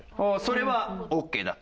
それはＯＫだと？